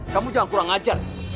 kamu jangan kurang ajar